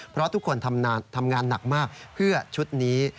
เพราะทุกคนทำงานหนักมากเพื่อชุดนี้